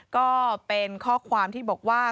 ก็เป็นข้อความที่บอกว่า